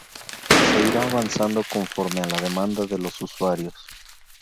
Se irá avanzando conforme a la demanda de los usuarios.